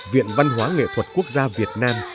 viện văn hóa nghệ thuật quốc gia việt nam